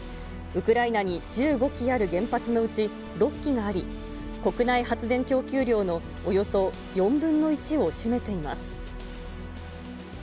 ウクライナに１５基ある原発のうち６基があり、国内発電供給量のおよそ４分の１を占めています。